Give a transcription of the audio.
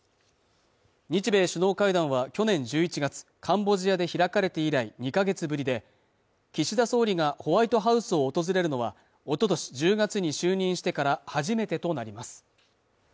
日米首脳会談は去年１１月カンボジアで開かれて以来２か月ぶりで岸田総理がホワイトハウスを訪れるのはおととし１０月に就任してから初めてとなります